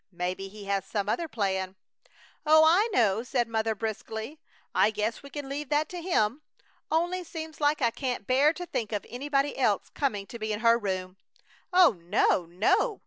Maybe He has some other plan." "Oh, I know!" said Mother, briskly. "I guess we can leave that to Him; only seems like I can't bear to think of anybody else coming to be in her room." "Oh no! no!